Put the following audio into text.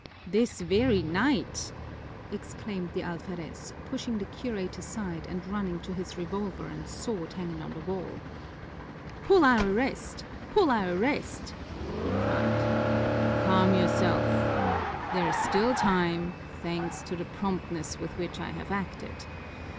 "This very night!" exclaimed the alferez, pushing the curate aside and running to his revolver and sword hanging on the wall. "Who'll I arrest? Who'll I arrest?" he cried. "Calm yourself! There is still time, thanks to the promptness with which I have acted.